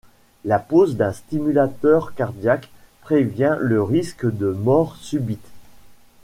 La pose d'un stimulateur cardiaque prévient le risque de Mort subite.